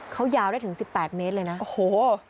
เขายาวได้ถึง๑๘เมตรเลยนะโอ้โห